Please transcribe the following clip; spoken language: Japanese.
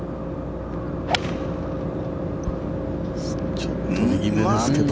◆ちょっと右めですけど。